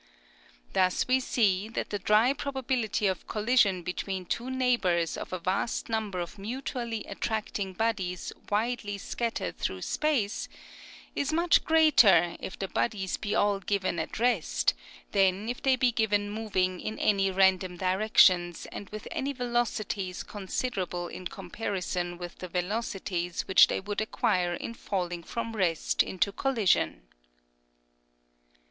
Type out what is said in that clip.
Thus we see that the dry probability of collision between two neighbors of a vast number of mutually attracting bodies widely scattered through space is much greater Astronomical Society of the Pacific. 107 if the bodies be all given at rest, than if they be given moving in any random directions and with any velocities considerable in comparson with the velocities which they would acquire in fall ing from rest into collision.